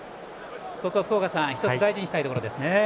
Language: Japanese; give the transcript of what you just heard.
福岡さん１つ大事にしたいところですね。